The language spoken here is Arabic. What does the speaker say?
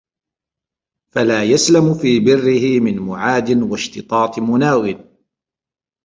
فَلَا يَسْلَمُ فِي بِرِّهِ مِنْ مُعَادٍ وَاشْتِطَاطِ مُنَاوٍ